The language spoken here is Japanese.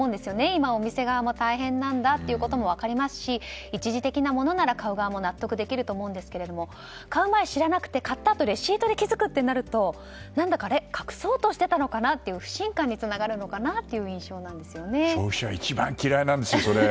今お店側も大変だといことも分かりますし一時的なものなら買う側も納得できると思うんですが買う前に知らなくて買ったあとにレシートで気づくとなると何だか隠そうとしていたのかなという不信感につながるのかなという印象ですね。